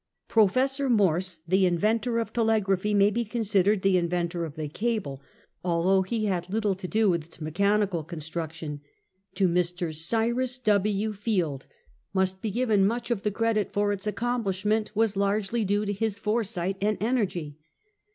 Professor Morse, the inventor of telegraphy, may be considered the inventor of the cable, although he had little to do with its mechanical construction. To Mr. Cyrus W. Field must be given much of the credit, for its accomplishment was largely due to his foresight and energy.